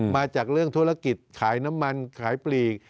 มาจากเรื่องธุรกิจขายน้ำมันขายปลีก